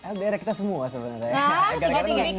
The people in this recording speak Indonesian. ldr nya kita semua sebenarnya